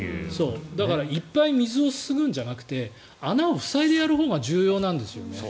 だからいっぱい水を注ぐんじゃなくて穴を塞いでやるほうが重要なんですよね。